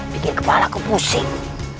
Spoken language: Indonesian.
bikin kepala kupusing